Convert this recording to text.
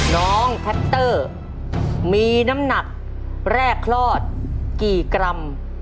น้องแท็กเตอร์มีน้ำหนักแรกคลอดกี่กรัม